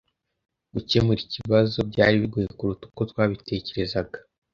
Gukemura ikibazo byari bigoye kuruta uko twabitekerezaga.